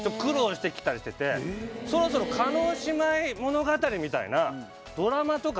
そろそろ叶姉妹物語みたいなドラマとか